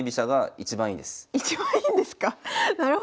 一番いいんですか？